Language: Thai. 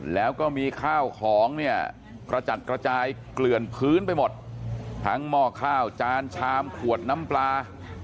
แล้วก็มีข้าวของเนี่ยกระจัดกระจายเกลื่อนพื้นไปหมดทั้งหม้อข้าวจานชามขวดน้ำปลา